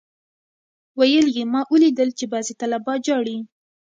ويل يې ما اوليدل چې بعضي طلبا جاړي.